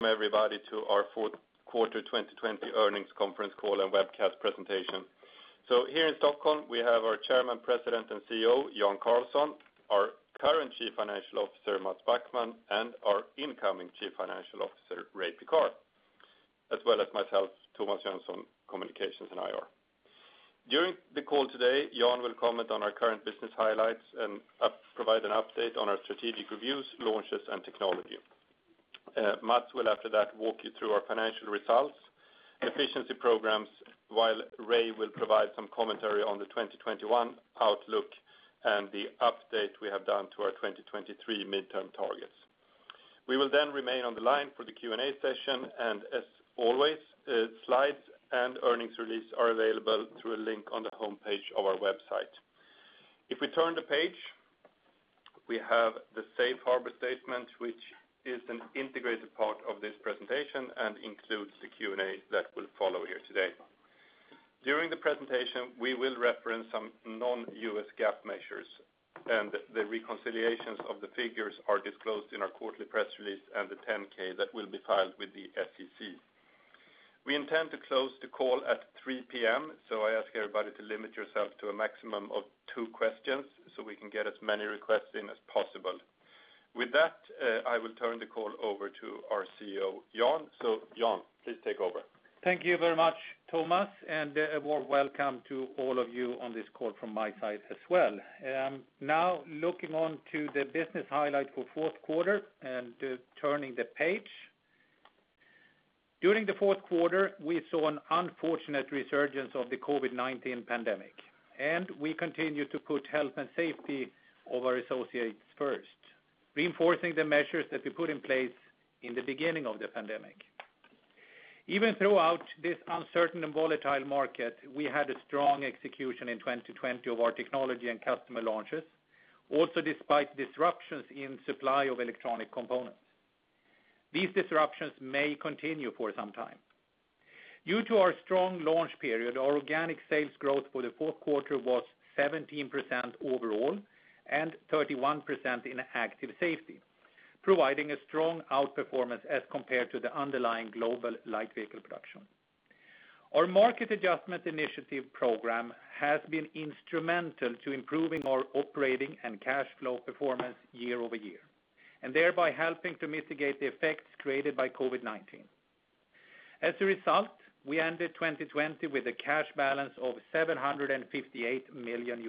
Welcome everybody to our fourth quarter 2020 earnings conference call and webcast presentation. Here in Stockholm, we have our Chairman, President, and CEO, Jan Carlson; our current Chief Financial Officer, Mats Backman; and our incoming Chief Financial Officer, Ray Pekar; as well as myself, Thomas Jönsson, communications and IR. During the call today, Jan will comment on our current business highlights and provide an update on our strategic reviews, launches, and technology. Mats will, after that, walk you through our financial results, efficiency programs, while Ray will provide some commentary on the 2021 outlook and the update we have done to our 2023 midterm targets. We will then remain on the line for the Q&A session, and as always, slides and earnings release are available through a link on the homepage of our website. If we turn the page, we have the safe harbor statement, which is an integrated part of this presentation and includes the Q&A that will follow here today. During the presentation, we will reference some non-U.S. GAAP measures, the reconciliations of the figures are disclosed in our quarterly press release and the 10-K that will be filed with the SEC. We intend to close the call at 3:00 P.M., I ask everybody to limit yourself to a maximum of two questions so we can get as many requests in as possible. With that, I will turn the call over to our CEO, Jan. Jan, please take over. Thank you very much, Thomas, and a warm welcome to all of you on this call from my side as well. Looking on to the business highlight for fourth quarter and turning the page. During the fourth quarter, we saw an unfortunate resurgence of the COVID-19 pandemic, and we continue to put health and safety of our associates first, reinforcing the measures that we put in place in the beginning of the pandemic. Even throughout this uncertain and volatile market, we had a strong execution in 2020 of our technology and customer launches, despite disruptions in supply of electronic components. These disruptions may continue for some time. Due to our strong launch period, our organic sales growth for the fourth quarter was 17% overall and 31% in active safety, providing a strong outperformance as compared to the underlying global light vehicle production. Our Market Adjustment Initiatives program has been instrumental to improving our operating and cash flow performance year-over-year, and thereby helping to mitigate the effects created by COVID-19. As a result, we ended 2020 with a cash balance of $758 million.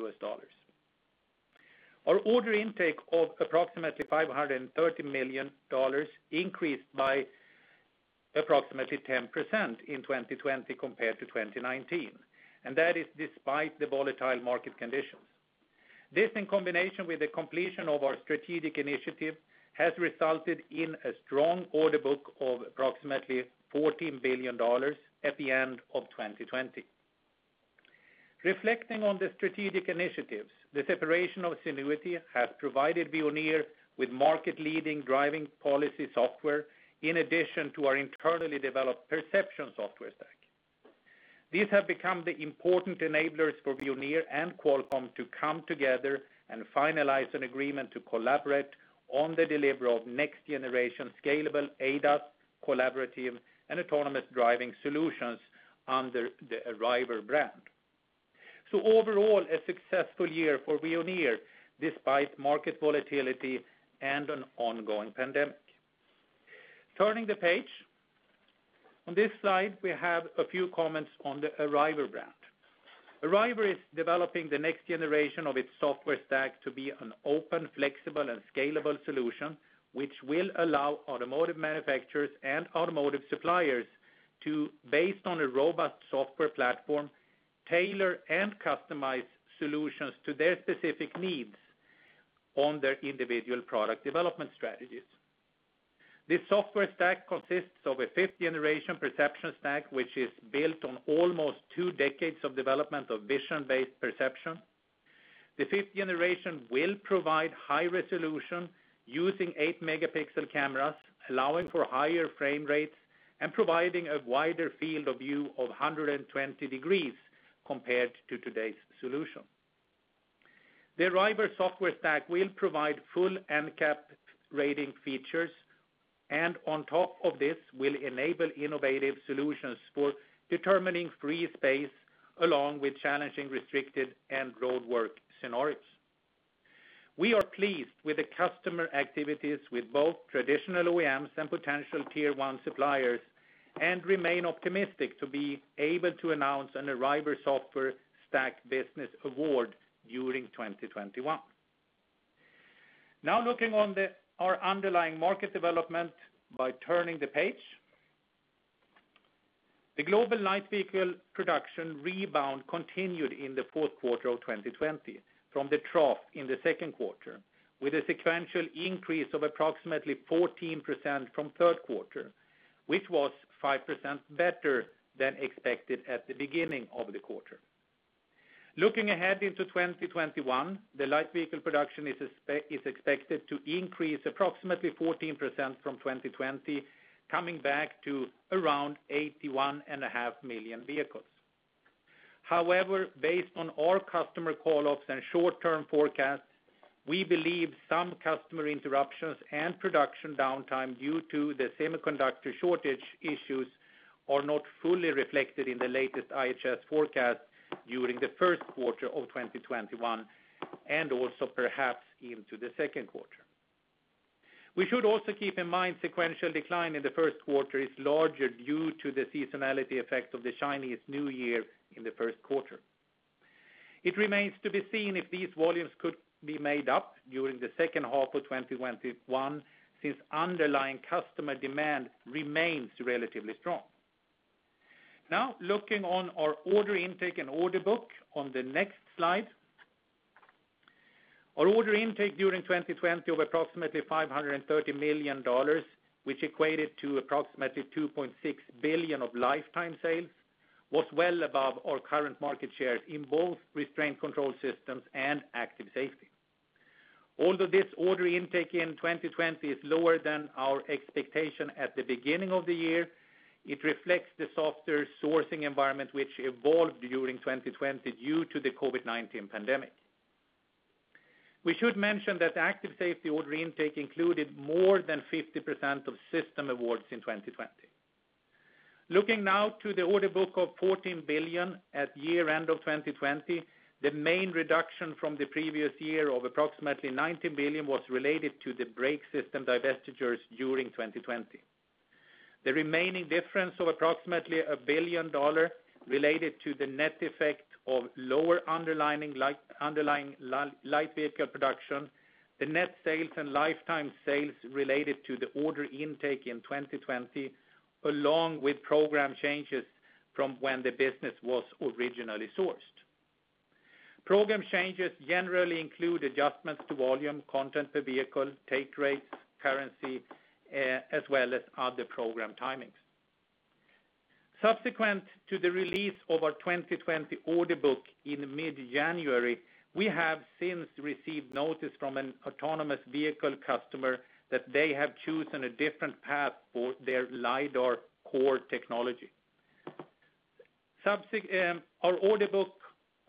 Our order intake of approximately $530 million increased by approximately 10% in 2020 compared to 2019, and that is despite the volatile market conditions. This, in combination with the completion of our strategic initiative, has resulted in a strong order book of approximately $14 billion at the end of 2020. Reflecting on the strategic initiatives, the separation of Zenuity has provided Veoneer with market-leading driving policy software in addition to our internally-developed perception software stack. These have become the important enablers for Veoneer and Qualcomm to come together and finalize an agreement to collaborate on the delivery of next-generation scalable ADAS, collaborative, and autonomous driving solutions under the Arriver brand. Overall, a successful year for Veoneer, despite market volatility and an ongoing pandemic. Turning the page. On this slide, we have a few comments on the Arriver brand. Arriver is developing the next generation of its software stack to be an open, flexible, and scalable solution, which will allow automotive manufacturers and automotive suppliers to, based on a robust software platform, tailor and customize solutions to their specific needs on their individual product development strategies. This software stack consists of a 5th-generation perception stack, which is built on almost two decades of development of vision-based perception. The 5th-generation will provide high resolution using 8-MP cameras, allowing for higher frame rates and providing a wider field of view of 120 degrees compared to today's solution. The Arriver software stack will provide full NCAP rating features, and on top of this, will enable innovative solutions for determining free space, along with challenging restricted and roadwork scenarios. We are pleased with the customer activities with both traditional OEMs and potential Tier 1 suppliers and remain optimistic to be able to announce an Arriver software stack business award during 2021. Now, looking on our underlying market development by turning the page. The global light vehicle production rebound continued in the fourth quarter of 2020 from the trough in the second quarter with a sequential increase of approximately 14% from third quarter, which was 5% better than expected at the beginning of the quarter. Looking ahead into 2021, the light vehicle production is expected to increase approximately 14% from 2020, coming back to around 81.5 million vehicles. Based on our customer call-ups and short-term forecasts, we believe some customer interruptions and production downtime due to the semiconductor shortage issues are not fully reflected in the latest IHS forecast during the first quarter of 2021, and also perhaps into the second quarter. We should also keep in mind sequential decline in the first quarter is larger due to the seasonality effect of the Chinese New Year in the first quarter. It remains to be seen if these volumes could be made up during the second half of 2021, since underlying customer demand remains relatively strong. Looking on our order intake and order book on the next slide. Our order intake during 2020 of approximately $530 million, which equated to approximately $2.6 billion of lifetime sales, was well above our current market shares in both restraint control systems and active safety. Although this order intake in 2020 is lower than our expectation at the beginning of the year, it reflects the softer sourcing environment which evolved during 2020 due to the COVID-19 pandemic. We should mention that active safety order intake included more than 50% of system awards in 2020. Looking now to the order book of $14 billion at year end of 2020, the main reduction from the previous year of approximately $19 billion was related to the brake system divestitures during 2020. The remaining difference of approximately $1 billion related to the net effect of lower underlying light vehicle production, the net sales and lifetime sales related to the order intake in 2020, along with program changes from when the business was originally sourced. Program changes generally include adjustments to volume, content per vehicle, take rates, currency, as well as other program timings. Subsequent to the release of our 2020 order book in mid-January, we have since received notice from an autonomous vehicle customer that they have chosen a different path for their LiDAR core technology. Our order book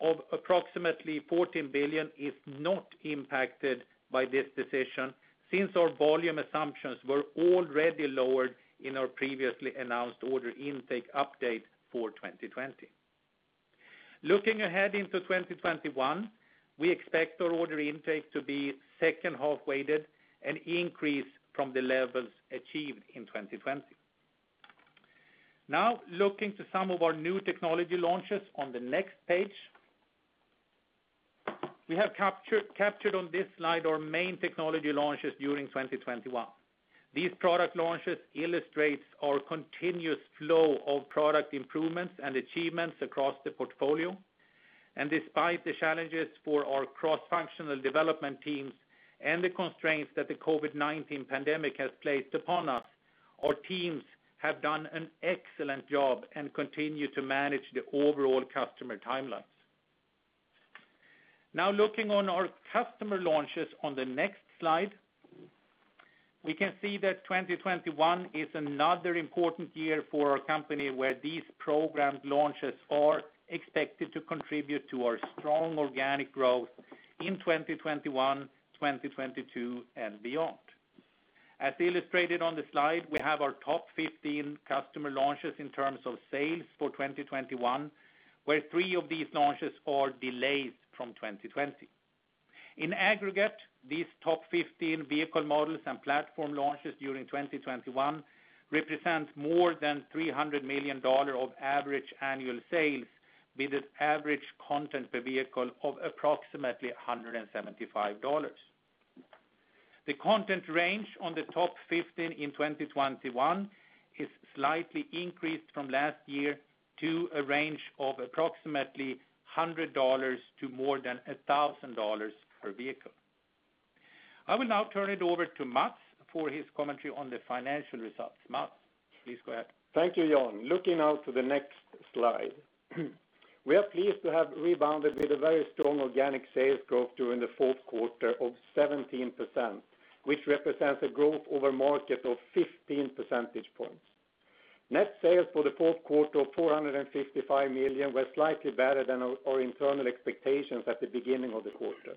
of approximately $14 billion is not impacted by this decision, since our volume assumptions were already lowered in our previously announced order intake update for 2020. Looking ahead into 2021, we expect our order intake to be second half weighted, an increase from the levels achieved in 2020. Looking to some of our new technology launches on the next page. We have captured on this slide our main technology launches during 2021. These product launches illustrate our continuous flow of product improvements and achievements across the portfolio. Despite the challenges for our cross-functional development teams and the constraints that the COVID-19 pandemic has placed upon us, our teams have done an excellent job and continue to manage the overall customer timelines. Looking on our customer launches on the next slide. We can see that 2021 is another important year for our company where these program launches are expected to contribute to our strong organic growth in 2021, 2022, and beyond. As illustrated on the slide, we have our top 15 customer launches in terms of sales for 2021, where three of these launches are delays from 2020. In aggregate, these top 15 vehicle models and platform launches during 2021 represent more than $300 million of average annual sales, with an average content per vehicle of approximately $175. The content range on the top 15 in 2021 is slightly increased from last year to a range of approximately $100 to more than $1,000 per vehicle. I will now turn it over to Mats for his commentary on the financial results. Mats, please go ahead. Thank you, Jan. Looking now to the next slide. We are pleased to have rebounded with a very strong organic sales growth during the fourth quarter of 17%, which represents a growth over market of 15 percentage points. Net sales for the fourth quarter of $455 million were slightly better than our internal expectations at the beginning of the quarter.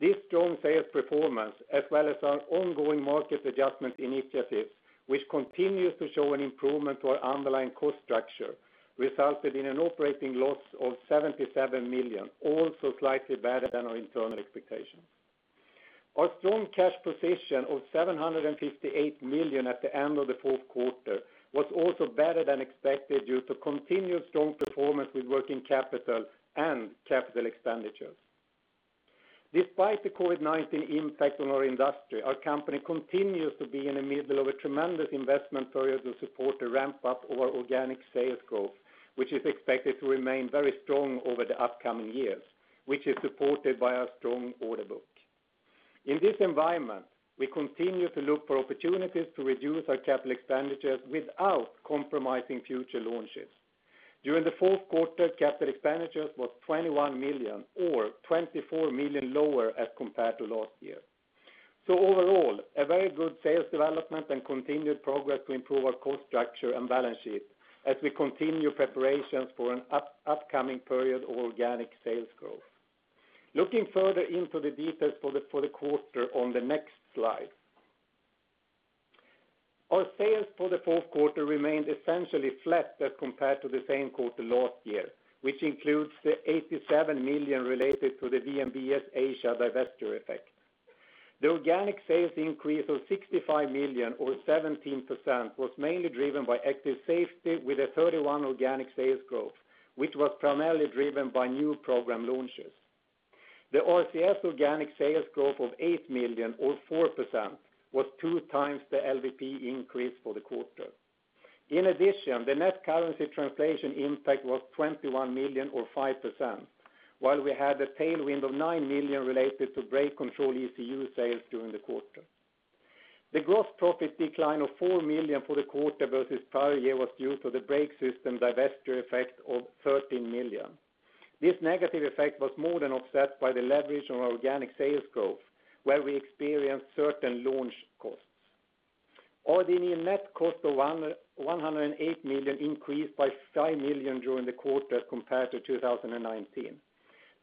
This strong sales performance, as well as our ongoing Market Adjustment Initiatives, which continues to show an improvement to our underlying cost structure, resulted in an operating loss of $77 million, also slightly better than our internal expectations. Our strong cash position of $758 million at the end of the fourth quarter was also better than expected due to continued strong performance with working capital and capital expenditures. Despite the COVID-19 impact on our industry, our company continues to be in the middle of a tremendous investment period to support the ramp-up of our organic sales growth, which is expected to remain very strong over the upcoming years, which is supported by our strong order book. In this environment, we continue to look for opportunities to reduce our capital expenditures without compromising future launches. During the fourth quarter, capital expenditures was $21 million, or $24 million lower as compared to last year. Overall, a very good sales development and continued progress to improve our cost structure and balance sheet as we continue preparations for an upcoming period of organic sales growth. Looking further into the details for the quarter on the next slide. Our sales for the fourth quarter remained essentially flat as compared to the same quarter last year, which includes the $87 million related to the VNBS Asia divestiture effect. The organic sales increase of $65 million, or 17%, was mainly driven by active safety with a 31% organic sales growth, which was primarily driven by new program launches. The RCS organic sales growth of $8 million or 4% was 2x the LVP increase for the quarter. In addition, the net currency translation impact was $21 million or 5%, while we had a tailwind of $9 million related to brake control ECU sales during the quarter. The gross profit decline of $4 million for the quarter versus prior year was due to the brake system divestiture effect of $13 million. This negative effect was more than offset by the leverage on organic sales growth, where we experienced certain launch costs. RD&E net cost of $108 million increased by $5 million during the quarter compared to 2019.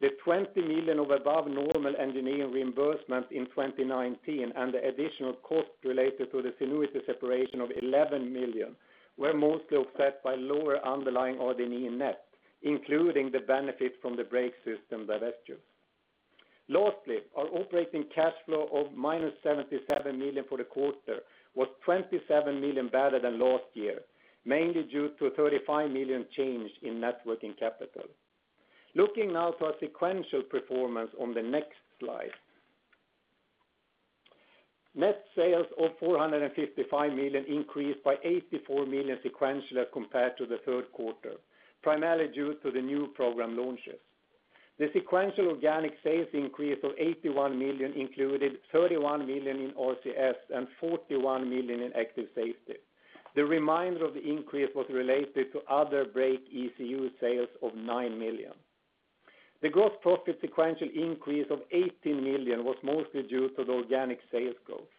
The $20 million of above normal engineering reimbursement in 2019 and the additional cost related to the Zenuity separation of $11 million were mostly offset by lower underlying RD&E net, including the benefit from the brake system divestitures. Lastly, our operating cash flow of -$77 million for the quarter was $27 million better than last year, mainly due to a $35 million change in net working capital. Looking now to our sequential performance on the next slide. Net sales of $455 million increased by $84 million sequentially compared to the third quarter, primarily due to the new program launches. The sequential organic sales increase of $81 million included $31 million in RCS and $41 million in active safety. The remainder of the increase was related to other brake ECU sales of $9 million. The gross profit sequential increase of $18 million was mostly due to the organic sales growth.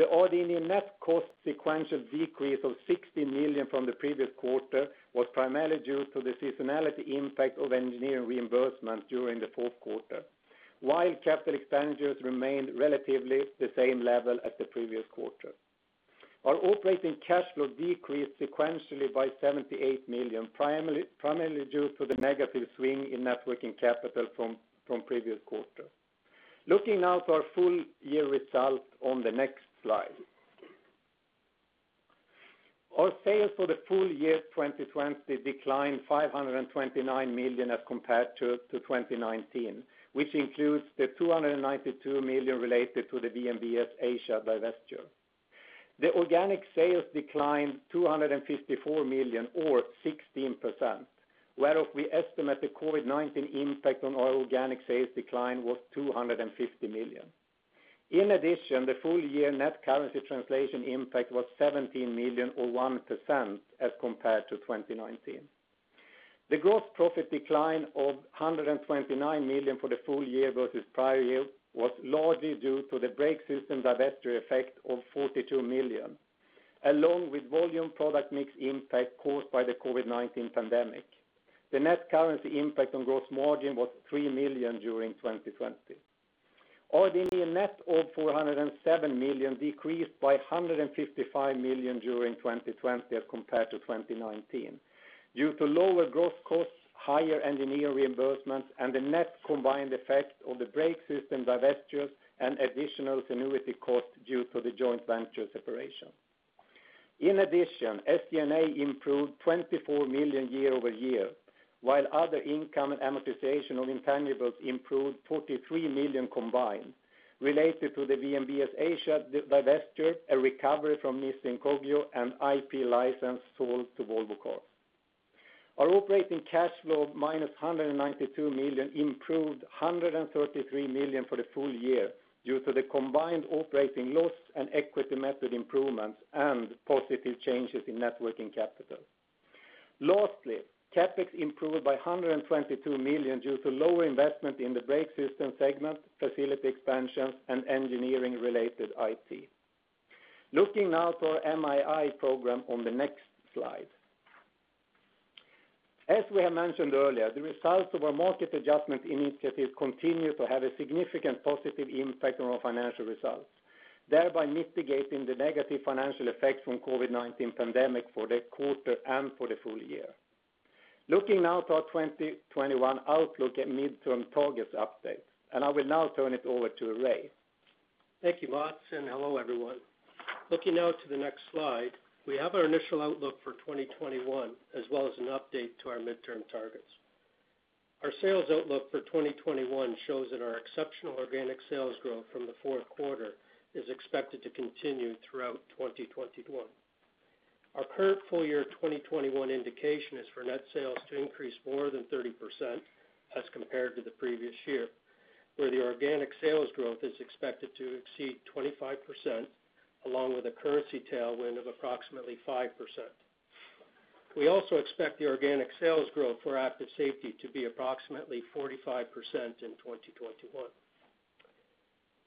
The RD&E net cost sequential decrease of $16 million from the previous quarter was primarily due to the seasonality impact of engineering reimbursement during the fourth quarter, while capital expenditures remained relatively the same level as the previous quarter. Our operating cash flow decreased sequentially by $78 million, primarily due to the negative swing in net working capital from previous quarter. Looking now to our full year results on the next slide. Our sales for the full year 2020 declined $529 million as compared to 2019, which includes the $292 million related to the VNBS Asia divestiture. The organic sales declined $254 million or 16%, whereof we estimate the COVID-19 impact on our organic sales decline was $250 million. In addition, the full year net currency translation impact was $17 million or 1% as compared to 2019. The gross profit decline of $129 million for the full year versus prior year was largely due to the brake system divestiture effect of $42 million, along with volume product mix impact caused by the COVID-19 pandemic. The net currency impact on gross margin was $3 million during 2020. RD&E net of $407 million decreased by $155 million during 2020 as compared to 2019 due to lower gross costs, higher engineering reimbursements, and the net combined effect of the brake system divestitures and additional Zenuity costs due to the joint venture separation. In addition, SG&A improved $24 million year-over-year, while other income and amortization of intangibles improved $43 million combined, related to the VNBS Asia divestiture, a recovery from Nissin Kogyo and IP license sold to Volvo Cars. Our operating cash flow of -$192 million improved $133 million for the full year due to the combined operating loss and equity method improvements and positive changes in net working capital. Lastly, CapEx improved by $122 million due to lower investment in the brake system segment, facility expansions, and engineering related IT. Looking now to our MAI program on the next slide. As we have mentioned earlier, the results of our Market Adjustment Initiatives continue to have a significant positive impact on our financial results, thereby mitigating the negative financial effects from COVID-19 pandemic for the quarter and for the full year. Looking now to our 2021 outlook and midterm targets update, and I will now turn it over to Ray. Thank you, Mats, and hello, everyone. Looking now to the next slide, we have our initial outlook for 2021, as well as an update to our midterm targets. Our sales outlook for 2021 shows that our exceptional organic sales growth from the fourth quarter is expected to continue throughout 2021. Our current full year 2021 indication is for net sales to increase more than 30% as compared to the previous year, where the organic sales growth is expected to exceed 25%, along with a currency tailwind of approximately 5%. We also expect the organic sales growth for active safety to be approximately 45% in 2021.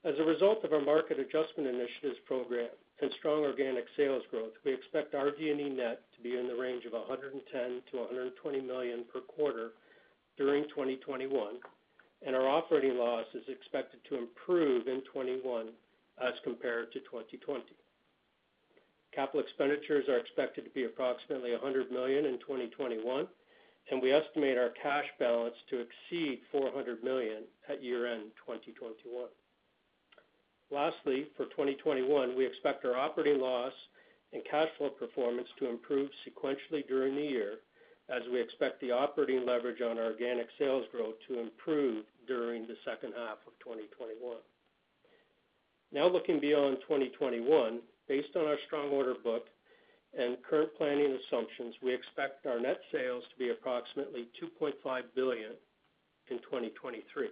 As a result of our Market Adjustment Initiatives program and strong organic sales growth, we expect our RD&E net to be in the range of $110 million-$120 million per quarter during 2021, and our operating loss is expected to improve in 2021 as compared to 2020. Capital expenditures are expected to be approximately $100 million in 2021, and we estimate our cash balance to exceed $400 million at year end 2021. Lastly, for 2021, we expect our operating loss and cash flow performance to improve sequentially during the year as we expect the operating leverage on our organic sales growth to improve during the second half of 2021. Looking beyond 2021, based on our strong order book and current planning assumptions, we expect our net sales to be approximately $2.5 billion in 2023.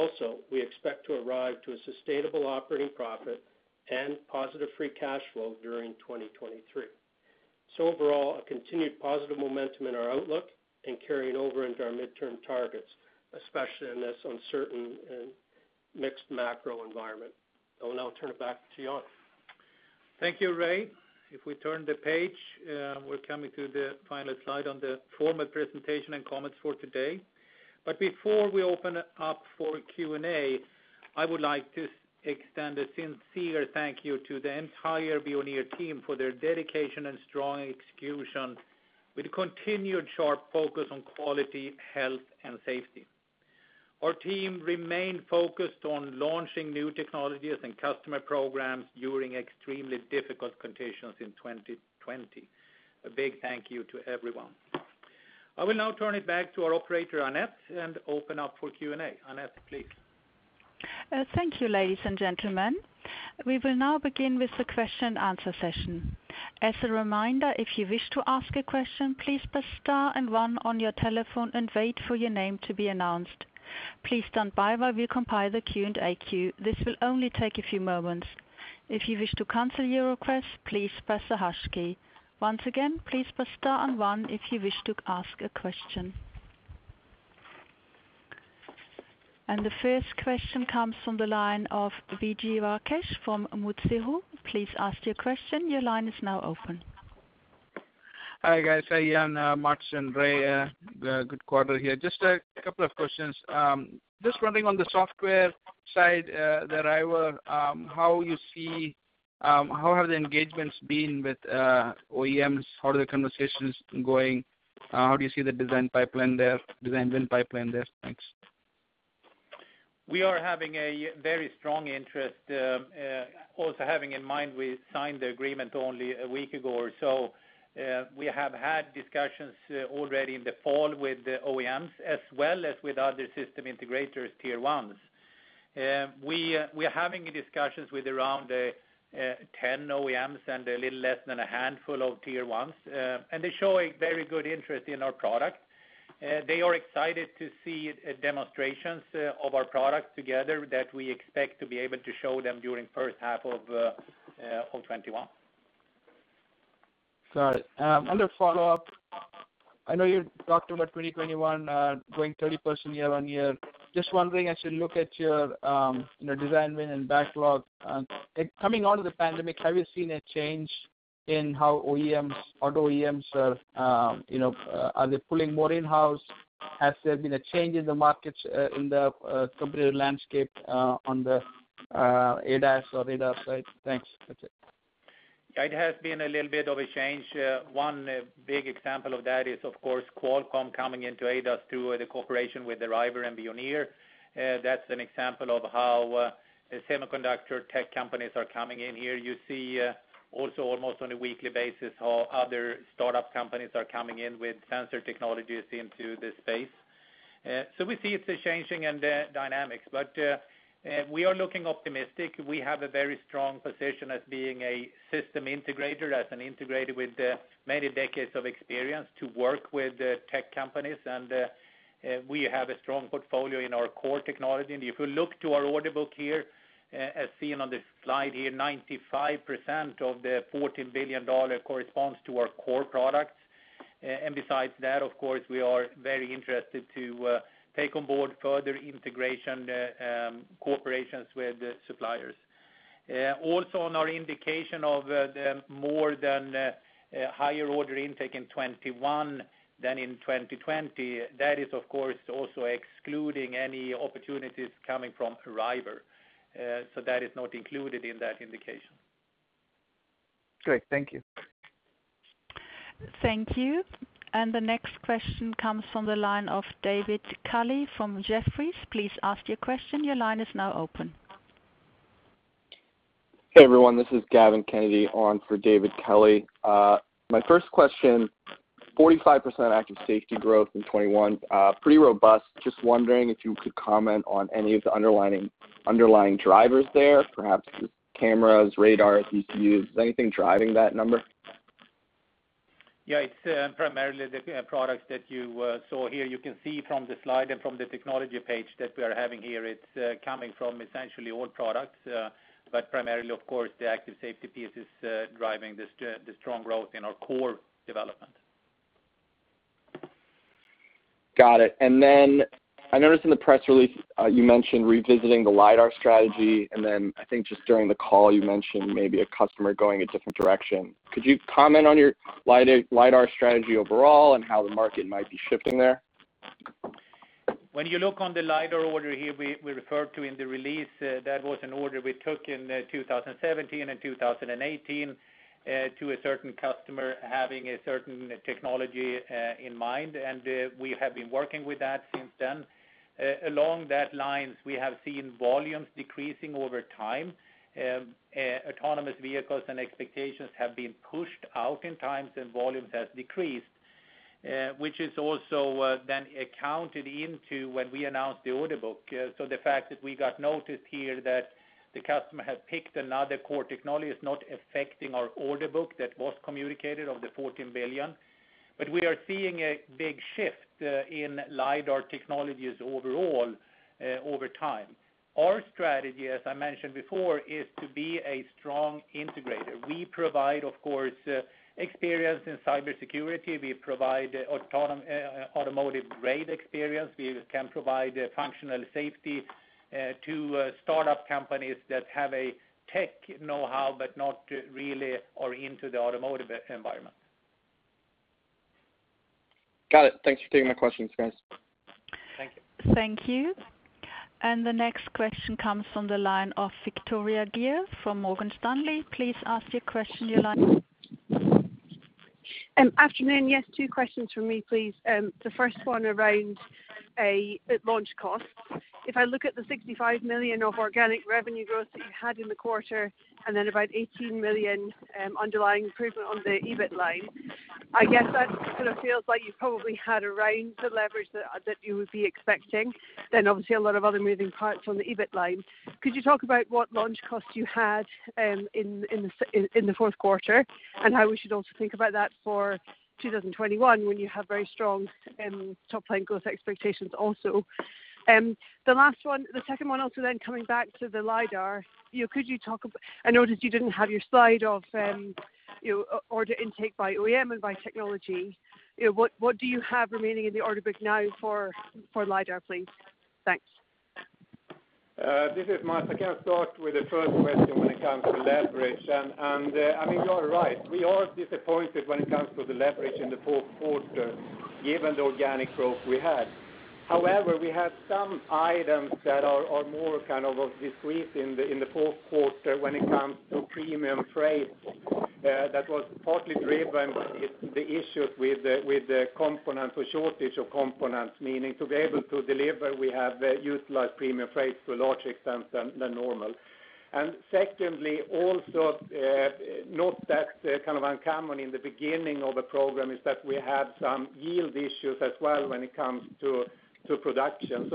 Also, we expect to arrive to a sustainable operating profit and positive free cash flow during 2023. Overall, a continued positive momentum in our outlook and carrying over into our midterm targets, especially in this uncertain and mixed macro environment. I will now turn it back to Jan. Thank you, Ray. If we turn the page, we're coming to the final slide on the formal presentation and comments for today. Before we open it up for Q&A, I would like to extend a sincere thank you to the entire Veoneer team for their dedication and strong execution with continued sharp focus on quality, health, and safety. Our team remained focused on launching new technologies and customer programs during extremely difficult conditions in 2020. A big thank you to everyone. I will now turn it back to our operator, Annette, and open up for Q&A. Annette, please. Thank you, ladies and gentlemen. We will now begin with the question-and-answer session. As a reminder, if you wish to ask a question, please press star and one on your telephone and wait for your name to be announced. Please stand by while we compile the Q&A queue. This will only take a few moments. If you wish to cancel your request, please press the hash key. Once again, please press star and one if you wish to ask a question. The first question comes from the line of Vijay Rakesh from Mizuho. Please ask your question. Your line is now open. Hi, guys. Hi. Hi, Jan, Mats, and Ray. Good quarter here. Just a couple of questions. Just wondering on the software side, the Arriver, how have the engagements been with OEMs? How are the conversations going? How do you see the design win pipeline there? Thanks. We are having a very strong interest. Also having in mind we signed the agreement only a week ago or so. We have had discussions already in the fall with the OEMs as well as with other system integrators, Tier 1s. We are having discussions with around 10 OEMs and a little less than a handful of Tier 1s. They show a very good interest in our product. They are excited to see demonstrations of our product together that we expect to be able to show them during first half of 2021. Got it. A follow-up. I know you talked about 2021 going 30% year-over-year. Just wondering as you look at your design win and backlog, coming out of the pandemic, have you seen a change in auto OEMs, are they pulling more in-house? Has there been a change in the markets, in the competitive landscape on the ADAS or radar side? Thanks. That's it. It has been a little bit of a change. One big example of that is, of course, Qualcomm coming into ADAS through the cooperation with Arriver and Veoneer. That's an example of how semiconductor tech companies are coming in here. You see also almost on a weekly basis how other startup companies are coming in with sensor technologies into this space. We see it's changing in the dynamics, but we are looking optimistic. We have a very strong position as being a system integrator, as an integrator with many decades of experience to work with tech companies. We have a strong portfolio in our core technology. If you look to our order book here, as seen on this slide here, 95% of the $14 billion corresponds to our core products. Besides that, of course, we are very interested to take on board further integration cooperations with suppliers. On our indication of the more than higher order intake in 2021 than in 2020, that is, of course, also excluding any opportunities coming from Arriver. That is not included in that indication. Great. Thank you. Thank you. The next question comes from the line of David Kelley from Jefferies. Please ask your question. Your line is now open. Hey, everyone. This is Gavin Kennedy on for David Kelley. My first question, 45% active safety growth in 2021. Pretty robust. Just wondering if you could comment on any of the underlying drivers there, perhaps cameras, radars, ECUs, anything driving that number? It's primarily the products that you saw here. You can see from the slide and from the technology page that we are having here, it's coming from essentially all products, but primarily, of course, the active safety piece is driving the strong growth in our core development. Got it. I noticed in the press release you mentioned revisiting the LiDAR strategy, and then I think just during the call you mentioned maybe a customer going a different direction. Could you comment on your LiDAR strategy overall and how the market might be shifting there? When you look on the LiDAR order here we referred to in the release, that was an order we took in 2017 and 2018 to a certain customer having a certain technology in mind. We have been working with that since then. Along that lines, we have seen volumes decreasing over time. Autonomous vehicles and expectations have been pushed out in times and volumes has decreased, which is also then accounted into when we announced the order book. The fact that we got noticed here that the customer had picked another core technology is not affecting our order book that was communicated of the $14 billion. We are seeing a big shift in LiDAR technologies overall over time. Our strategy, as I mentioned before, is to be a strong integrator. We provide, of course, experience in cybersecurity. We provide automotive-grade experience. We can provide functional safety to startup companies that have a tech knowhow, but not really into the automotive environment. Got it. Thanks for taking my questions, guys. Thank you. Thank you. The next question comes from the line of Victoria Greer from Morgan Stanley. Please ask your question, your line is open. Afternoon. Yes, two questions from me, please. The first one around launch costs. If I look at the $65 million of organic revenue growth that you had in the quarter, and then about $18 million underlying improvement on the EBIT line, I guess that kind of feels like you probably had around the leverage that you would be expecting, then obviously a lot of other moving parts on the EBIT line. Could you talk about what launch costs you had in the fourth quarter, and how we should also think about that for 2021, when you have very strong top-line growth expectations also? The last one, the second one also then coming back to the LiDAR. I noticed you didn't have your slide of order intake by OEM and by technology. What do you have remaining in the order book now for LiDAR, please? Thanks. This is Mats. I can start with the first question when it comes to leverage. You are right. We are disappointed when it comes to the leverage in the fourth quarter, given the organic growth we had. However, we had some items that are more kind of discrete in the fourth quarter when it comes to premium freight. That was partly driven by the issues with the component, or shortage of components, meaning to be able to deliver, we have utilized premium freight to a larger extent than normal. Secondly, also note that kind of uncommon in the beginning of a program is that we had some yield issues as well when it comes to production.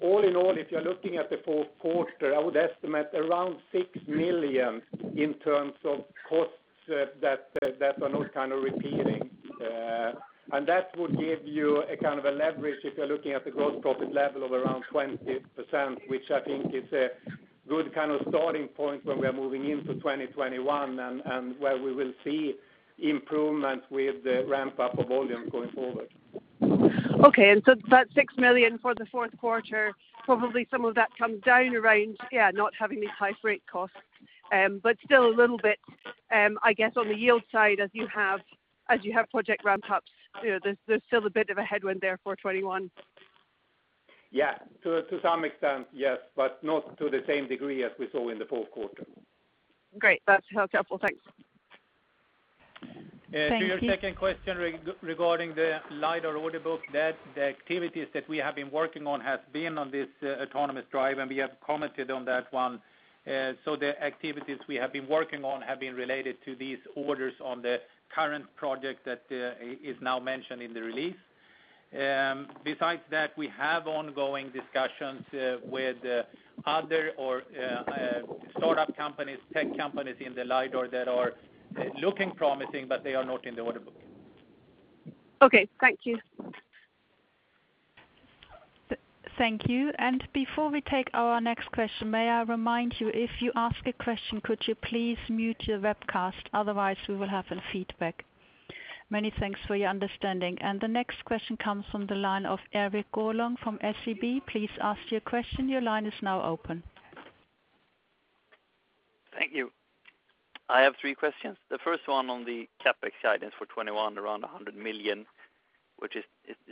All in all, if you're looking at the fourth quarter, I would estimate around $6 million in terms of costs that are not kind of repeating. That would give you a kind of a leverage if you're looking at the gross profit level of around 20%, which I think is a good kind of starting point when we're moving into 2021 and where we will see improvement with the ramp-up of volume going forward. Okay, that $6 million for the fourth quarter, probably some of that comes down around not having these high freight costs. Still a little bit, I guess, on the yield side as you have project ramp-ups, there's still a bit of a headwind there for 2021. To some extent, yes. Not to the same degree as we saw in the fourth quarter. Great. That's helpful. Thanks. To your second question regarding the LiDAR order book, the activities that we have been working on has been on this autonomous drive, and we have commented on that one. The activities we have been working on have been related to these orders on the current project that is now mentioned in the release. Besides that, we have ongoing discussions with other startup companies, tech companies in the LiDAR that are looking promising, but they are not in the order book. Okay. Thank you. Thank you. Before we take our next question, may I remind you, if you ask a question, could you please mute your webcast? Otherwise, we will have a feedback. Many thanks for your understanding. The next question comes from the line of Erik Golrang from SEB. Please ask your question. Your line is now open. Thank you. I have three questions. The first one on the CapEx guidance for 2021, which is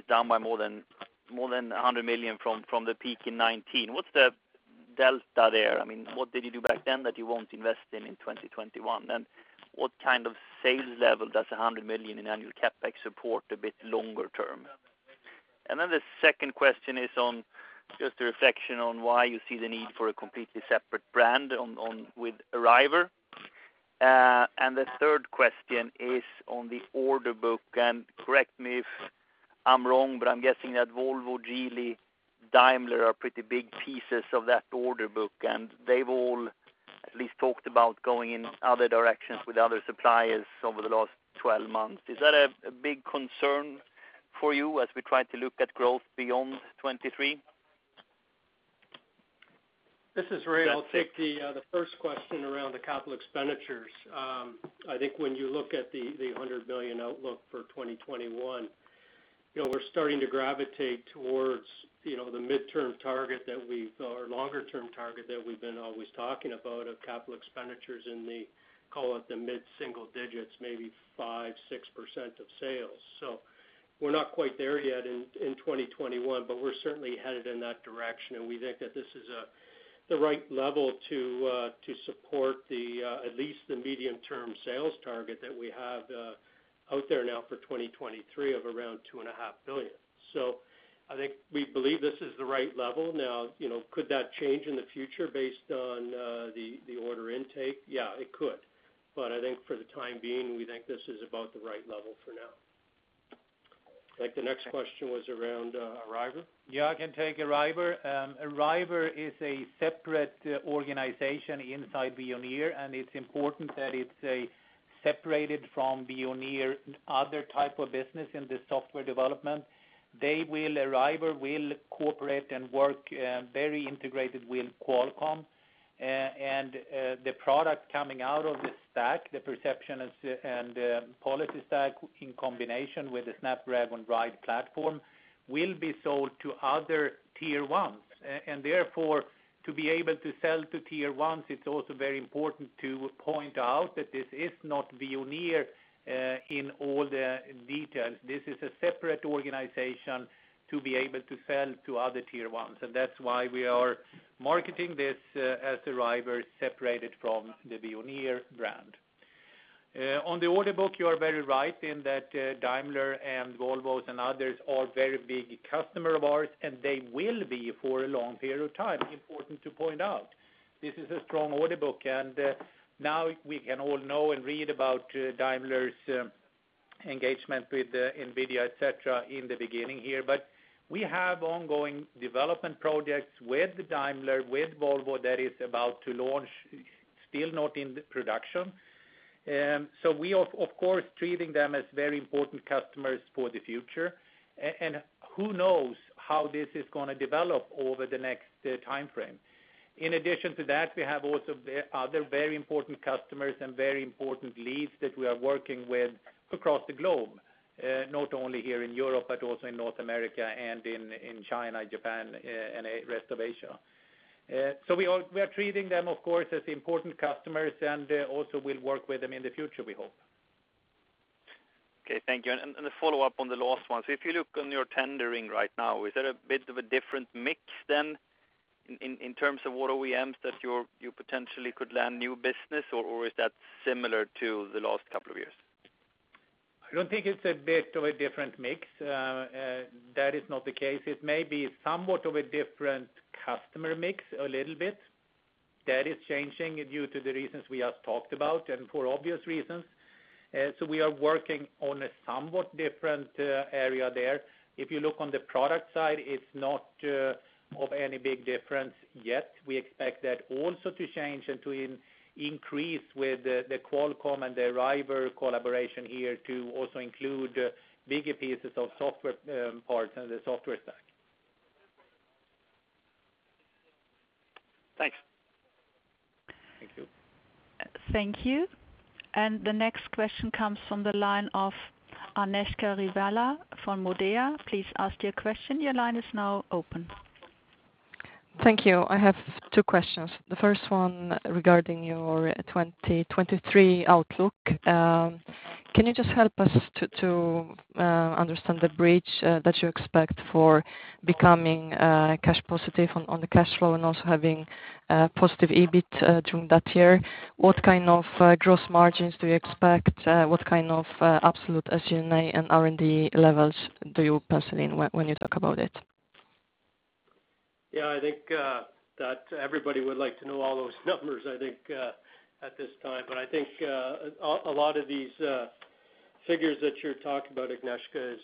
down by more than $100 million from the peak in 2019. What's the delta there? What did you do back then that you won't invest in in 2021? What kind of sales level does $100 million in annual CapEx support a bit longer term? The second question is on just a reflection on why you see the need for a completely separate brand with Arriver. The third question is on the order book, correct me if I'm wrong, but I'm guessing that Volvo, Geely, Daimler are pretty big pieces of that order book, and they've all at least talked about going in other directions with other suppliers over the last 12 months. Is that a big concern for you as we try to look at growth beyond 2023? This is Ray. I'll take the first question around the capital expenditures. I think when you look at the $100 million outlook for 2021, we're starting to gravitate towards the longer-term target that we've been always talking about of capital expenditures in the, call it the mid-single-digits, maybe 5%-6% of sales. We're not quite there yet in 2021, but we're certainly headed in that direction, and we think that this is the right level to support at least the medium-term sales target that we have out there now for 2023 of around $2.5 billion. I think we believe this is the right level. Now, could that change in the future based on the order intake? Yeah, it could. I think for the time being, we think this is about the right level for now. I think the next question was around Arriver? I can take Arriver. Arriver is a separate organization inside Veoneer, and it's important that it's separated from Veoneer other type of business in the software development. Arriver will cooperate and work very integrated with Qualcomm, and the product coming out of the stack, the perception and policy stack in combination with the Snapdragon Ride platform, will be sold to other Tier 1s. Therefore, to be able to sell to Tier 1s, it's also very important to point out that this is not Veoneer in all the details. This is a separate organization to be able to sell to other Tier 1s. That's why we are marketing this as Arriver separated from the Veoneer brand. On the order book, you are very right in that Daimler and Volvo and others are very big customer of ours, and they will be for a long period of time. Important to point out. This is a strong order book. Now, we can all know and read about Daimler’s engagement with NVIDIA, et cetera, in the beginning here. We have ongoing development projects with Daimler, with Volvo that is about to launch, still not in production. We are, of course, treating them as very important customers for the future. Who knows how this is going to develop over the next timeframe. In addition to that, we have also other very important customers and very important leads that we are working with across the globe, not only here in Europe, but also in North America and in China, Japan, and rest of Asia. We are treating them, of course, as important customers, and also will work with them in the future, we hope. Okay, thank you. A follow-up on the last one. If you look on your tendering right now, is that a bit of a different mix then in terms of what OEMs that you potentially could land new business or is that similar to the last couple of years? I don't think it's a bit of a different mix. That is not the case. It may be somewhat of a different customer mix a little bit. That is changing due to the reasons we have talked about and for obvious reasons. We are working on a somewhat different area there. If you look on the product side, it's not of any big difference yet. We expect that also to change and to increase with the Qualcomm and the Arriver collaboration here to also include bigger pieces of software parts and the software stack. Thanks. Thank you. Thank you. The next question comes from the line of Agnieszka Vilela from Nordea. Please ask your question. Your line is now open. Thank you. I have two questions. The first one regarding your 2023 outlook. Can you just help us to understand the bridge that you expect for becoming cash positive on the cash flow and also having positive EBIT during that year? What kind of gross margins do you expect? What kind of absolute SG&A and R&D levels do you pencil in when you talk about it? I think that everybody would like to know all those numbers at this time. But I think a lot of these figures that you're talking about, Agnieszka,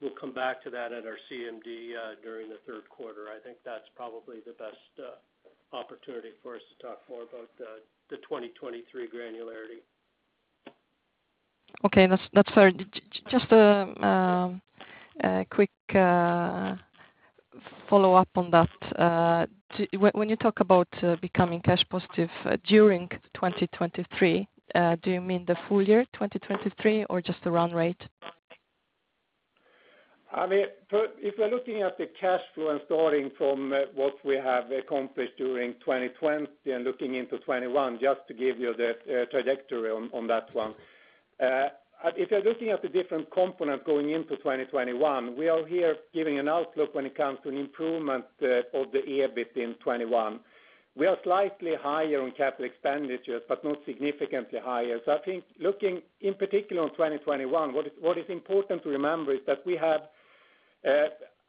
we'll come back to that at our CMD during the third quarter. I think that's probably the best opportunity for us to talk more about the 2023 granularity. Okay, that's fair. Just a quick follow-up on that. When you talk about becoming cash positive during 2023, do you mean the full year 2023 or just the run rate? If you're looking at the cash flow and starting from what we have accomplished during 2020 and looking into 2021, just to give you the trajectory on that one. If you're looking at the different component going into 2021, we are here giving an outlook when it comes to an improvement of the EBIT in 2021. We are slightly higher on capital expenditures, but not significantly higher. I think looking in particular on 2021, what is important to remember is that we have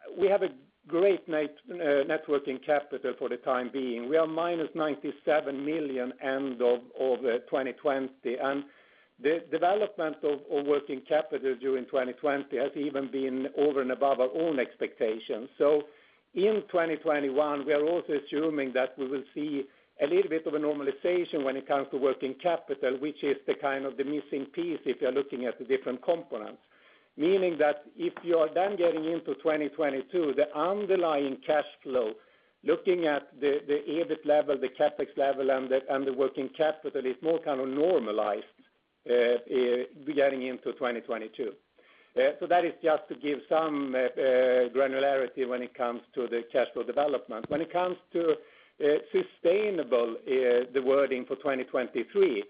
a great net working capital for the time being. We are -$97 million end of 2020. The development of working capital during 2020 has even been over and above our own expectations. In 2021, we are also assuming that we will see a little bit of a normalization when it comes to working capital, which is the kind of the missing piece if you're looking at the different components. Meaning that if you are then getting into 2022, the underlying cash flow, looking at the EBIT level, the CapEx level, and the working capital is more kind of normalized beginning into 2022. That is just to give some granularity when it comes to the cash flow development. When it comes to sustainable, the wording for 2023,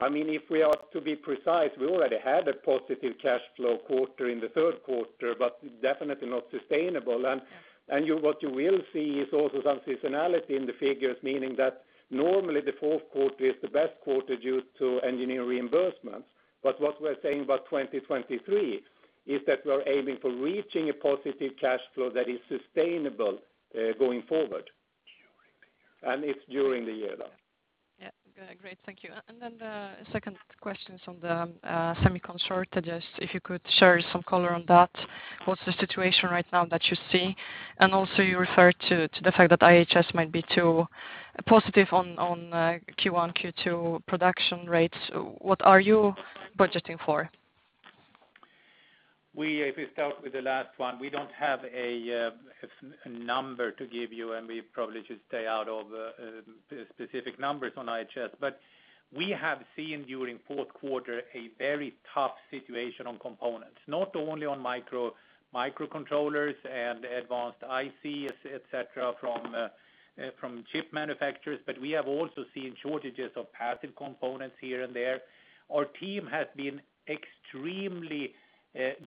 if we are to be precise, we already had a positive cash flow quarter in the third quarter, but definitely not sustainable. What you will see is also some seasonality in the figures, meaning that normally the fourth quarter is the best quarter due to engineering reimbursements. What we're saying about 2023 is that we're aiming for reaching a positive cash flow that is sustainable going forward. During the year. It's during the year, though. Great. Thank you. The second question is on the semiconductor shortages, if you could share some color on that. What's the situation right now that you see? You referred to the fact that IHS might be too positive on Q1, Q2 production rates. What are you budgeting for? If we start with the last one, we don't have a number to give you, and we probably should stay out of specific numbers on IHS. We have seen during fourth quarter a very tough situation on components, not only on microcontrollers and advanced ICs, et cetera, from chip manufacturers, but we have also seen shortages of passive components here and there. Our team has been extremely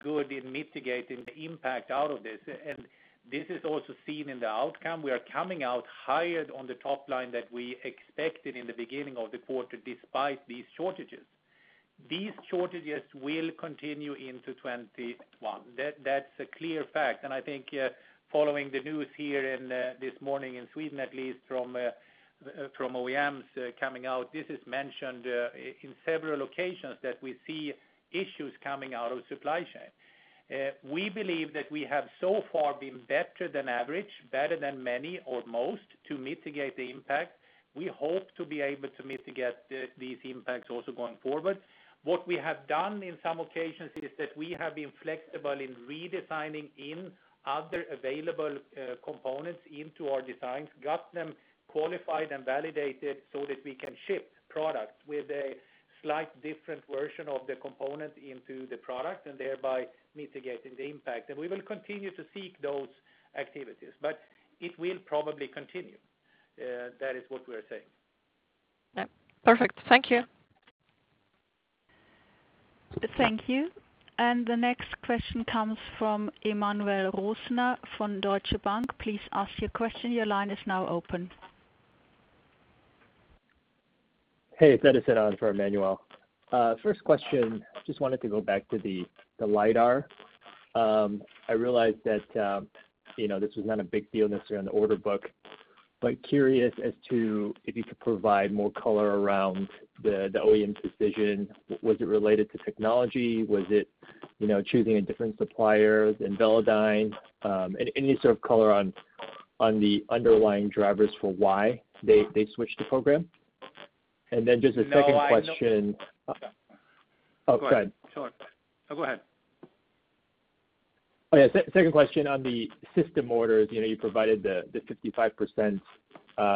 good in mitigating the impact out of this, and this is also seen in the outcome. We are coming out higher on the top-line that we expected in the beginning of the quarter, despite these shortages. These shortages will continue into 2021. That's a clear fact. I think following the news here this morning in Sweden, at least from OEMs coming out, this is mentioned in several occasions that we see issues coming out of supply chain. We believe that we have so far been better than average, better than many or most, to mitigate the impact. We hope to be able to mitigate these impacts also going forward. What we have done in some occasions is that we have been flexible in redesigning in other available components into our designs, got them qualified and validated so that we can ship products with a slight different version of the component into the product, and thereby mitigating the impact. We will continue to seek those activities, but it will probably continue. That is what we are saying. Perfect. Thank you. Thank you. The next question comes from Emmanuel Rosner from Deutsche Bank. Please ask your question. Your line is now open. Hey, it's Edison on for Emmanuel. First question, just wanted to go back to the LiDAR. I realized that this was not a big deal necessarily on the order book. Curious as to if you could provide more color around the OEM's decision. Was it related to technology? Was it choosing a different supplier than Velodyne? Any sort of color on the underlying drivers for why they switched the program? Just a second question- No, I- Oh, go ahead. No, go ahead. Okay, second question on the system orders. You provided the 55%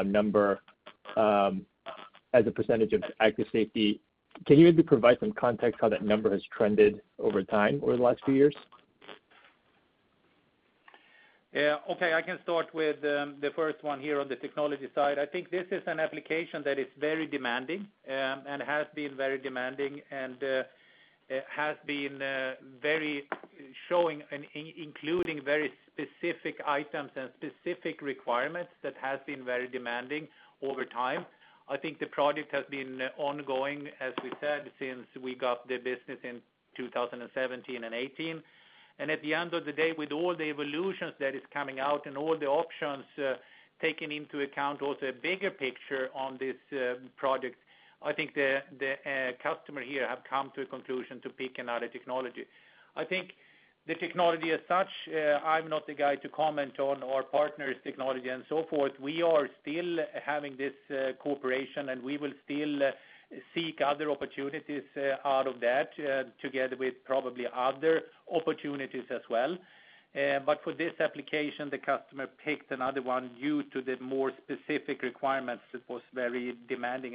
number as a percentage of active safety. Can you maybe provide some context how that number has trended over time over the last few years? Okay. I can start with the first one here on the technology side. I think this is an application that is very demanding, and has been very demanding, and has been showing and including very specific items and specific requirements that has been very demanding over time. I think the project has been ongoing, as we said, since we got the business in 2017 and 2018. At the end of the day, with all the evolutions that is coming out and all the options taken into account, also a bigger picture on this project, I think the customer here have come to a conclusion to pick another technology. I think the technology as such, I'm not the guy to comment on our partner's technology and so forth. We are still having this cooperation, and we will still seek other opportunities out of that, together with probably other opportunities as well. For this application, the customer picked another one due to the more specific requirements that was very demanding.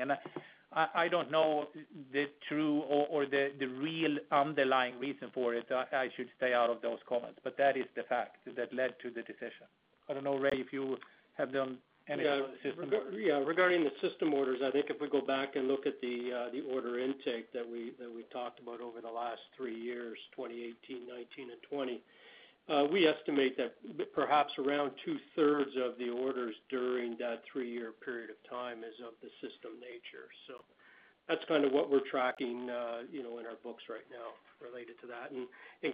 I don't know the true or the real underlying reason for it. I should stay out of those comments, but that is the fact that led to the decision. I don't know, Ray, if you have done any other system. Regarding the system orders, I think if we go back and look at the order intake that we talked about over the last three years, 2018, 2019, and 2020, we estimate that perhaps around 2/3 of the orders during that three-year period of time is of the system nature. That's kind of what we're tracking in our books right now related to that.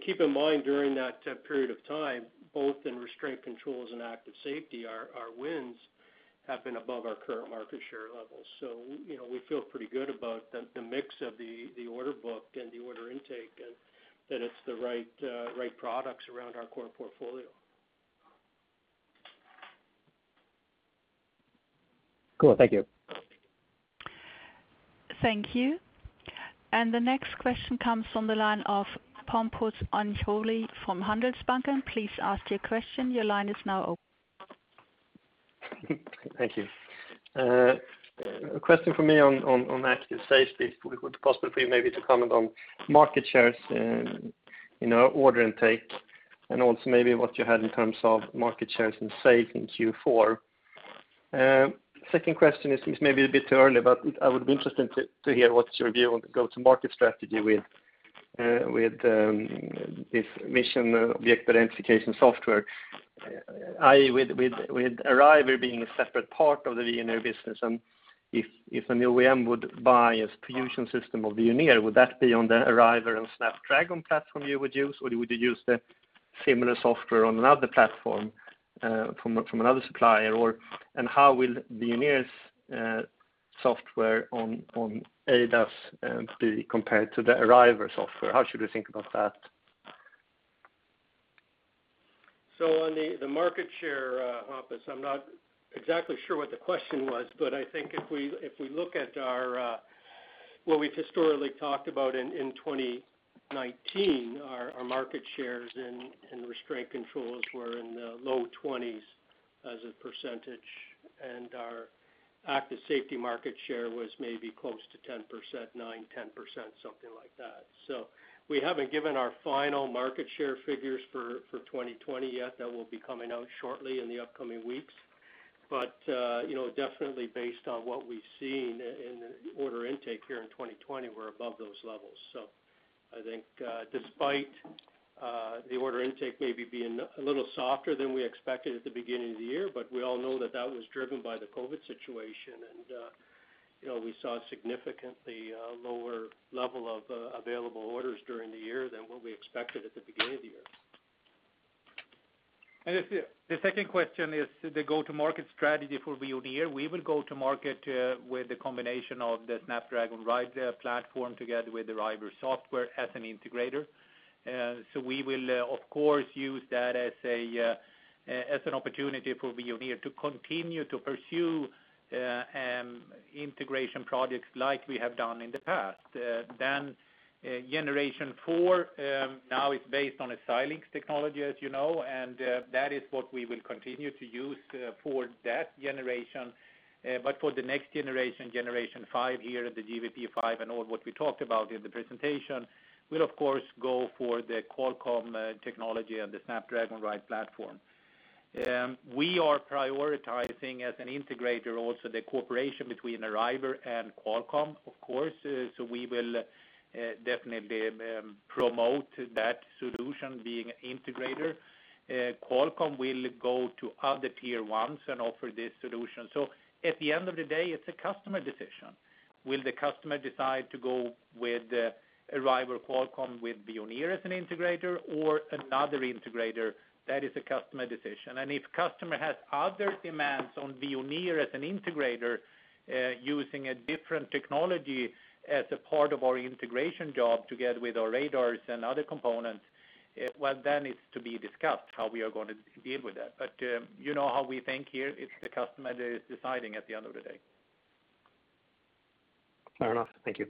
Keep in mind, during that period of time, both in restraint controls and active safety, our wins have been above our current market share levels. We feel pretty good about the mix of the order book and the order intake, and that it's the right products around our core portfolio. Cool. Thank you. Thank you. The next question comes from the line of Hampus Engellau from Handelsbanken. Please ask your question. Your line is now open. Thank you. A question from me on active safety. If it would be possible for you maybe to comment on market shares and order intake, and also maybe what you had in terms of market shares in safety in Q4. Second question, it seems maybe a bit early, but I would be interested to hear what's your view on go-to-market strategy with this vision vehicle identification software, i.e., with Arriver being a separate part of the Veoneer business, and if a new OEM would buy a solution system of Veoneer, would that be on the Arriver and Snapdragon platform you would use, or would you use the similar software on another platform from another supplier? How will Veoneer's software on ADAS be compared to the Arriver software? How should we think about that? On the market share, Hampus, I'm not exactly sure what the question was, but I think if we look at what we've historically talked about in 2019, our market shares in restraint controls were in the low 20% range and our active safety market share was maybe close to 9%-10%, something like that. We haven't given our final market share figures for 2020 yet. That will be coming out shortly in the upcoming weeks. Definitely based on what we've seen in the order intake here in 2020, we're above those levels. I think despite the order intake maybe being a little softer than we expected at the beginning of the year, we all know that that was driven by the COVID-19 situation. We saw a significantly lower level of available orders during the year than what we expected at the beginning of the year. The second question is the go-to-market strategy for Veoneer. We will go to market with the combination of the Snapdragon Ride platform together with the Arriver software as an integrator. We will, of course, use that as an opportunity for Veoneer to continue to pursue integration projects like we have done in the past. 4th-generation now is based on a Xilinx technology, as you know, and that is what we will continue to use for that generation. For 5th-generation here at the GVP5 and all what we talked about in the presentation, we'll of course go for the Qualcomm technology and the Snapdragon Ride platform. We are prioritizing as an integrator also the cooperation between Arriver and Qualcomm, of course. We will definitely promote that solution being an integrator. Qualcomm will go to other Tier 1s and offer this solution. At the end of the day, it's a customer decision. Will the customer decide to go with Arriver Qualcomm with Veoneer as an integrator or another integrator? That is a customer decision. If customer has other demands on Veoneer as an integrator using a different technology as a part of our integration job together with our radars and other components, well, then it's to be discussed how we are going to deal with that. You know how we think here, it's the customer that is deciding at the end of the day. Fair enough. Thank you.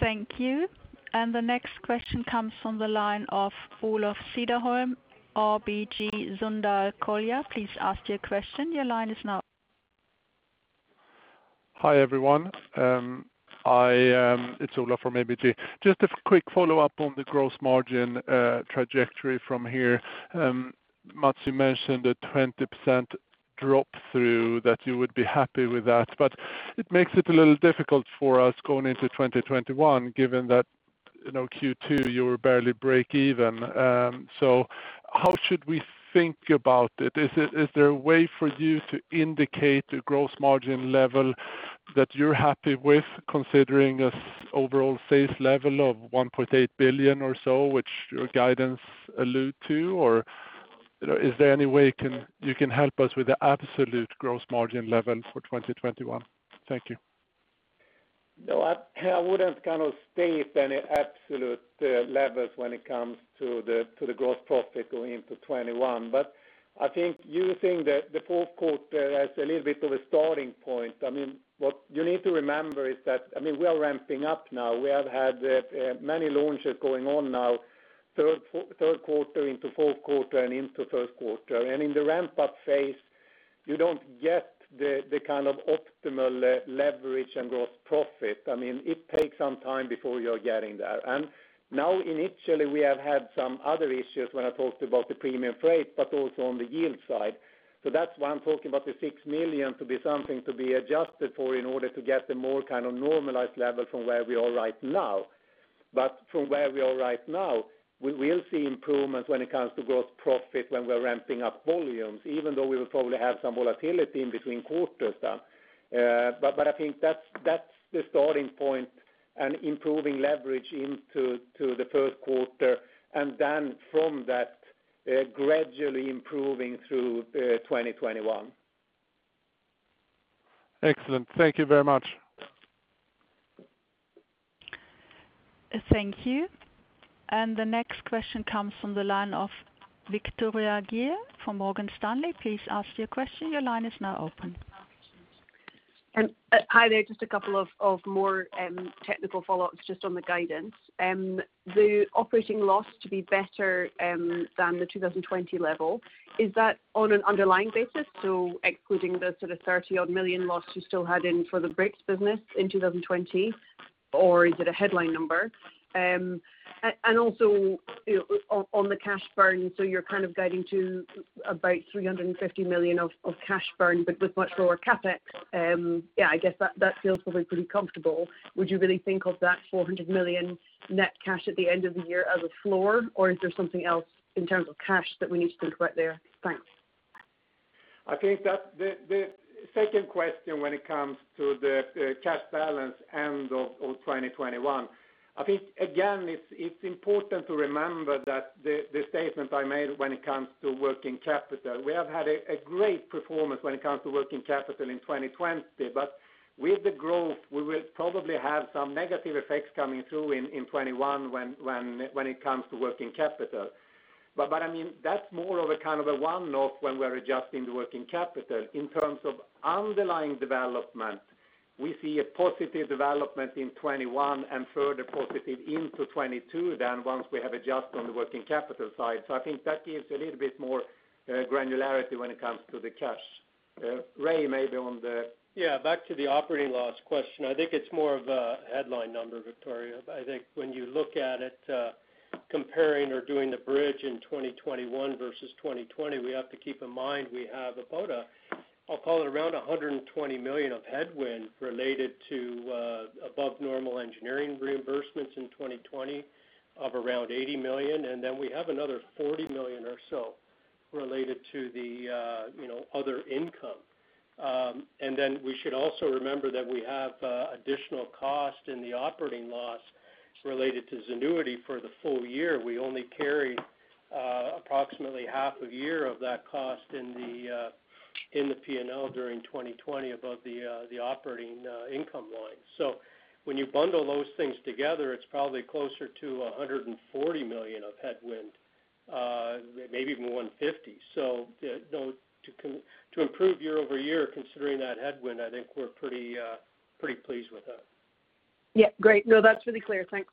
Thank you. The next question comes from the line of Olof Cederholm, ABG Sundal Collier. Please ask your question. Your line is now open. Hi, everyone. It's Olof from ABG. Just a quick follow-up on the gross margin trajectory from here. Mats, you mentioned a 20% drop through that you would be happy with that. It makes it a little difficult for us going into 2021, given that Q2 you were barely break-even. How should we think about it? Is there a way for you to indicate the gross margin level that you're happy with considering an overall sales level of $1.8 billion or so, which your guidance allude to? Is there any way you can help us with the absolute gross margin level for 2021? Thank you. No, I wouldn't state any absolute levels when it comes to the gross profit going into 2021. I think using the fourth quarter as a little bit of a starting point, what you need to remember is that we are ramping up now. We have had many launches going on now, third quarter into fourth quarter and into first quarter. In the ramp-up phase, you don't get the kind of optimal leverage and gross profit. It takes some time before you're getting there. Now, initially we have had some other issues when I talked about the premium freight, but also on the yield side. That's why I'm talking about the $6 million to be something to be adjusted for in order to get a more kind of normalized level from where we are right now. From where we are right now, we will see improvements when it comes to gross profit when we're ramping up volumes, even though we will probably have some volatility in between quarters then. I think that's the starting point and improving leverage into the first quarter, and then from that, gradually improving through 2021. Excellent. Thank you very much. Thank you. The next question comes from the line of Victoria Greer from Morgan Stanley. Please ask your question. Your line is now open. Hi there. Just a couple of more technical follow-ups just on the guidance. The operating loss to be better than the 2020 level, is that on an underlying basis? Excluding the sort of $30-odd million loss you still had in for the brakes business in 2020, or is it a headline number? On the cash burn, you're kind of guiding to about $350 million of cash burn, but with much lower CapEx. I guess that feels probably pretty comfortable. Would you really think of that $400 million net cash at the end of the year as a floor, or is there something else in terms of cash that we need to think about there? Thanks. I think that the second question when it comes to the cash balance end of 2021, I think, again, it's important to remember that the statement I made when it comes to working capital, we have had a great performance when it comes to working capital in 2020. With the growth, we will probably have some negative effects coming through in 2021 when it comes to working capital. I mean, that's more of a kind of a one-off when we're adjusting the working capital. In terms of underlying development, we see a positive development in 2021 and further positive into 2022 than once we have adjusted on the working capital side. I think that gives a little bit more granularity when it comes to the cash. Ray, maybe on the- Back to the operating loss question. I think it's more of a headline number, Victoria. I think when you look at it, comparing or doing the bridge in 2021 versus 2020, we have to keep in mind we have about, I'll call it around $120 million of headwind related to above normal engineering reimbursements in 2020 of around $80 million, and then we have another $40 million or so related to the other income. We should also remember that we have additional cost in the operating loss related to Zenuity for the full year. We only carry approximately half a year of that cost in the P&L during 2020 above the operating income line. When you bundle those things together, it's probably closer to $140 million of headwind, maybe even $150 million. To improve year-over-year considering that headwind, I think we're pretty pleased with that. Great. That's really clear. Thanks.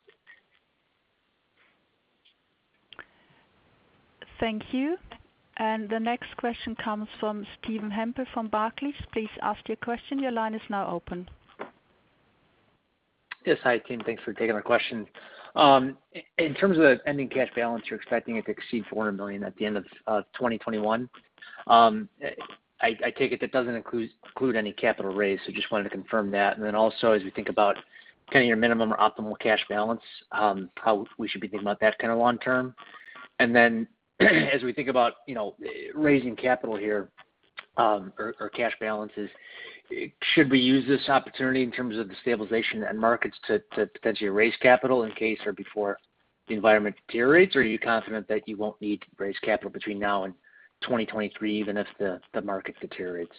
Thank you. The next question comes from Steven Hempel from Barclays. Please ask your question. Your line is now open. Hi, team. Thanks for taking my question. In terms of the ending cash balance, you're expecting it to exceed $400 million at the end of 2021. I take it that doesn't include any capital raise, so just wanted to confirm that. Also, as we think about kind of your minimum or optimal cash balance, how we should be thinking about that kind of long term. As we think about raising capital here, or cash balances, should we use this opportunity in terms of the stabilization and markets to potentially raise capital in case or before the environment deteriorates? Are you confident that you won't need to raise capital between now and 2023, even if the market deteriorates?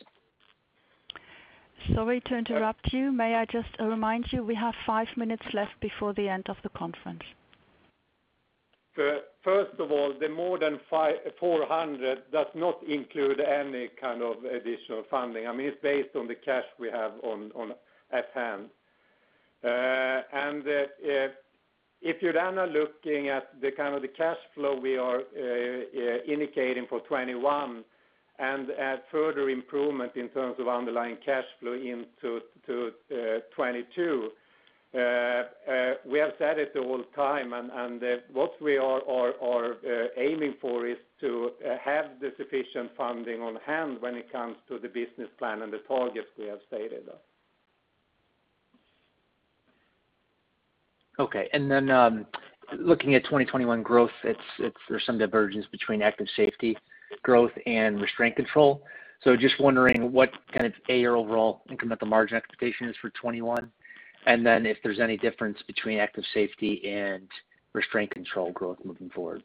Sorry to interrupt you. May I just remind you, we have five minutes left before the end of the conference. First of all, the more than $400 million does not include any kind of additional funding. I mean, it's based on the cash we have at hand. If you're then looking at the kind of the cash flow we are indicating for 2021 and at further improvement in terms of underlying cash flow into 2022, we have said it the whole time, and what we are aiming for is to have the sufficient funding on hand when it comes to the business plan and the targets we have stated. Okay. Looking at 2021 growth, there's some divergence between active safety growth and restraint control. Just wondering what kind of your overall income at the margin expectation is for 2021, if there's any difference between active safety and restraint control growth moving forward?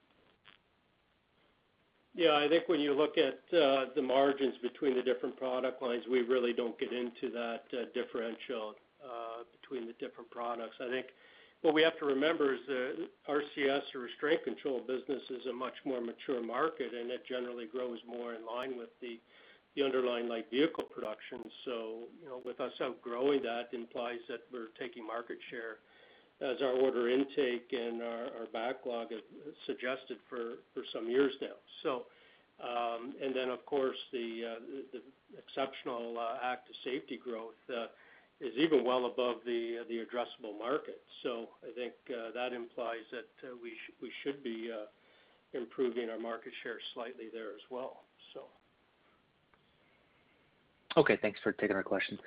I think when you look at the margins between the different product lines, we really don't get into that differential between the different products. I think what we have to remember is the RCS or restraint control business is a much more mature market, and it generally grows more in line with the underlying light vehicle production. With us outgrowing that implies that we're taking market share as our order intake and our backlog has suggested for some years now. Of course, the exceptional active safety growth is even well above the addressable market. I think that implies that we should be improving our market share slightly there as well. Okay, thanks for taking our questions.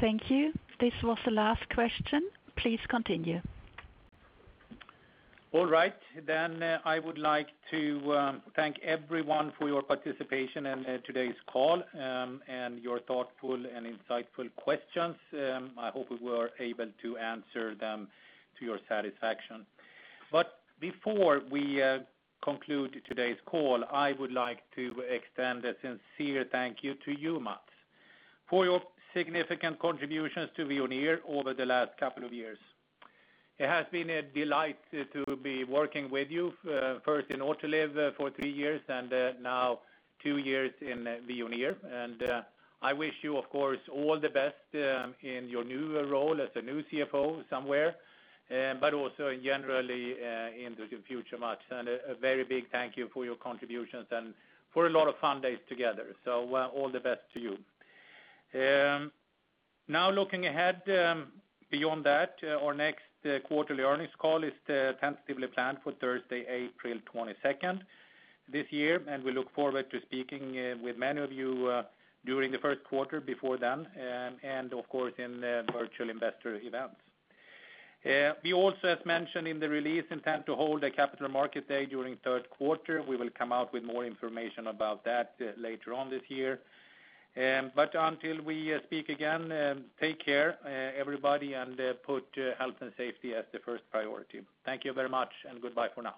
Thank you. This was the last question. Please continue. All right. I would like to thank everyone for your participation in today's call and your thoughtful and insightful questions. I hope we were able to answer them to your satisfaction. Before we conclude today's call, I would like to extend a sincere thank you to you, Mats, for your significant contributions to Veoneer over the last couple of years. It has been a delight to be working with you, first in Autoliv for three years and now two years in Veoneer. I wish you, of course, all the best in your new role as a new CFO somewhere. Also generally, into the future, Mats. A very big thank you for your contributions and for a lot of fun days together. All the best to you. Looking ahead, beyond that, our next quarterly earnings call is tentatively planned for Thursday, April 22nd this year, and we look forward to speaking with many of you during the first quarter before then, and of course, in virtual investor events. We also, as mentioned in the release, intend to hold a Capital Markets Day during third quarter. We will come out with more information about that later on this year. Until we speak again, take care everybody, and put health and safety as the first priority. Thank you very much, and goodbye for now.